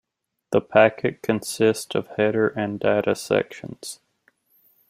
The packet consists of header and data sections.